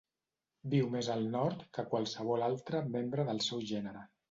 Viu més al nord que qualsevol altre membre del seu gènere.